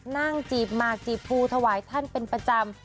จีบหมากจีบภูถวายท่านเป็นประจำ